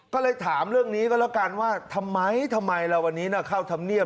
ก็เลยถามเรื่องนี้ก็แล้วกันว่าทำไมทำไมล่ะวันนี้เข้าธรรมเนียบ